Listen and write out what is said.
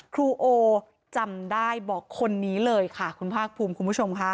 ครูโอจำได้บอกคนนี้เลยค่ะคุณภาคภูมิคุณผู้ชมค่ะ